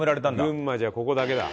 群馬じゃここだけだ。